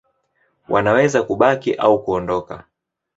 Wanaweza kubaki au kuondoka.